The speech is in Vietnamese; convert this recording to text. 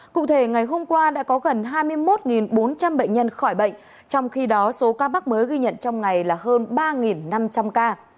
cụ thể ngày hôm qua đã có gần hai mươi một bốn trăm linh bệnh nhân khỏi bệnh trong khi đó số ca mắc mới ghi nhận trong ngày là hơn ba năm trăm linh ca